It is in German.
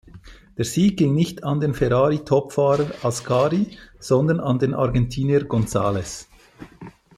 Der Sieg ging nicht an den Ferrari-Topfahrer Ascari, sondern an den Argentinier González.